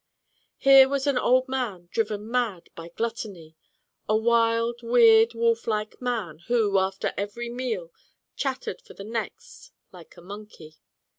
Here was an old man driven mad by gluttony, a wild weird, wolf like man, who, after every meal, chattered for the next like a monkey.